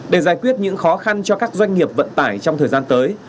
để giải quyết những khó khăn cho các doanh nghiệp vận tải trong thời gian tới